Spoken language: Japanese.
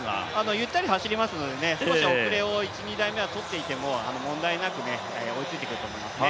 ゆったり走りますので、少し遅れを１、２台目とっていても問題なく追いついてくると思いますね。